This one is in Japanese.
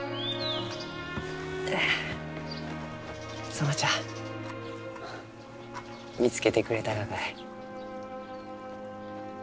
園ちゃん見つけてくれたがかえ？